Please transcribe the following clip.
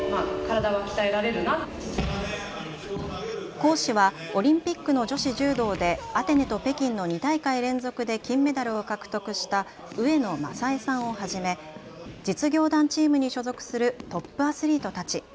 講師はオリンピックの女子柔道でアテネと北京の２大会連続で金メダルを獲得した上野雅恵さんをはじめ実業団チームに所属するトップアスリートたち。